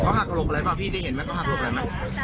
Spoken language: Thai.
เขาหากกระโหลกอะไรไหมพี่ได้เห็นไหม